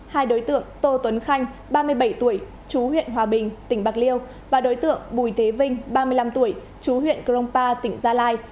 hai đối tượng tô tuấn khanh ba mươi bảy tuổi chú huyện hòa bình tỉnh bạc liêu và đối tượng bùi thế vinh ba mươi năm tuổi chú huyện krongpa tỉnh gia lai